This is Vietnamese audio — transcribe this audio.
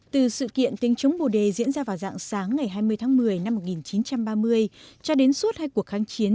từ sự kiện tiếng chống bồ đề diễn ra vào dạng sáng ngày hai mươi tháng một mươi năm một nghìn chín trăm ba mươi cho đến suốt hai cuộc kháng chiến